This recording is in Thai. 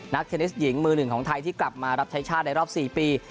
เทนนิสหญิงมือหนึ่งของไทยที่กลับมารับใช้ชาติในรอบ๔ปี